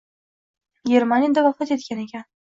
Germaniyada vafot etgan ekan.